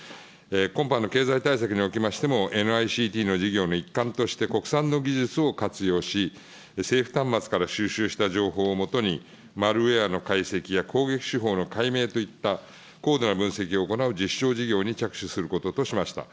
今般の経済対策におきましてもＮＩＣＴの事業の一環として、国産の技術を活用し、政府端末から収集した情報を基に、の解析や攻撃手法の解明といった高度な分析を行う実証事業に着手することとしました。